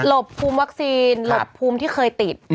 บภูมิวัคซีนหลบภูมิที่เคยติด